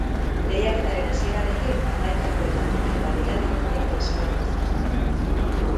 Lehiaketaren hasierarekin hamaikakoetatik eta deialdietatik desagertu zen.